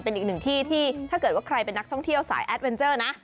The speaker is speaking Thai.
เป็นอีกหนึ่งที่ที่ถ้าเกิดว่าใครเป็นนักท่องเที่ยวสายแอดเวนเจอร์นะ